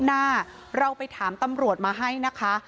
หน้าเราไปถามตำรวจมาให้นะคะ